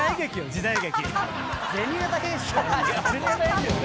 時代劇。